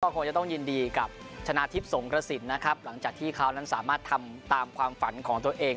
คงจะต้องยินดีกับชนะทิพย์สงกระสินนะครับหลังจากที่เขานั้นสามารถทำตามความฝันของตัวเอง